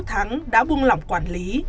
cáo thắng đã buông lỏng quản lý